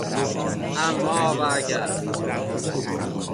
اماو اگر